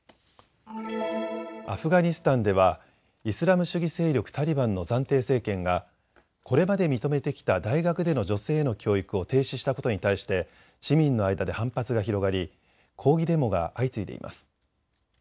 アフガニスタンではイスラム主義勢力タリバンの暫定政権がこれまで認めてきた大学での女性への教育を停止したことに対して市民の間で反発が広がり抗議デモが相次いでいます。